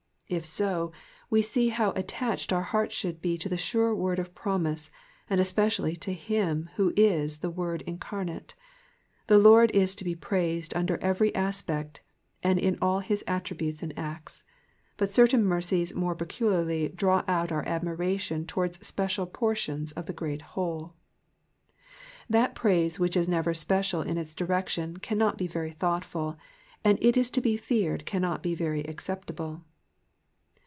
If so, we see how attached our hearts should be to the sure word of promise, and especially to him who is the Word incarnate. The Lord is to be praised under every aspect, and in all his attributes and acts, but certain mercies more peculiarly draw out our admiration towards special portions of the great whole. Digitized by VjOOQIC 40 EXPOSITIONS OF THE PSALMS. That praiso which is never special in its direction cannot be very thoughtful, and it is to he feared cannot be very acceptable.